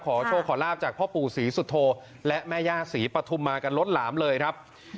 ขอโชคขอลาบจากพ่อปู่ศรีสุโธและแม่ย่าศรีปฐุมมากันล้นหลามเลยครับ